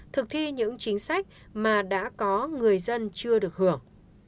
thực thi những chính sách mà đã có người dân chưa được hưởng